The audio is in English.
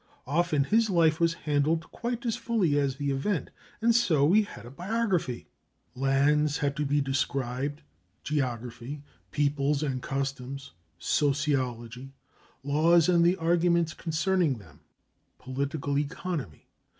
Often his life was handled quite as fully as the event, and so we had biography. Lands had to be described geography. Peoples and customs sociology. Laws and the arguments concerning them political economy.